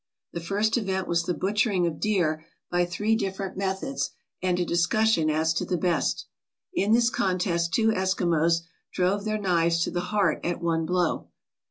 The first event was the butchering of deer by three different methods and a discussion as to the best. In this contest two Eskimos drove their knives to the heart at one blow.